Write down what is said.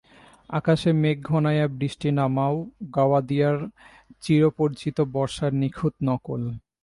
আকাশে মেঘ ঘনাইয়া বৃষ্টি নামা ও গাওদিয়ার চিরপরিচিত বর্ষার নিখুঁত নকল।